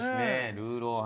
ルーロー飯。